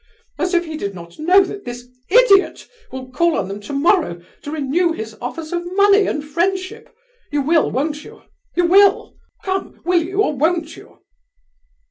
As if he did not know that this idiot will call on them tomorrow to renew his offers of money and friendship. You will, won't you? You will? Come, will you, or won't you?"